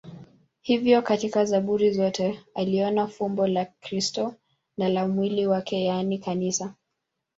Hivyo katika Zaburi zote aliona fumbo la Kristo na la mwili wake, yaani Kanisa.